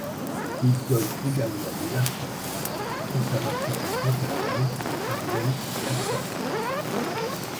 Il donne également des masterclasses aux conservatoires de Rotterdam, Arnhem et Amsterdam.